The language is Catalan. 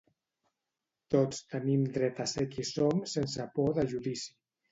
Tots tenim dret a ser qui som sense por de judici.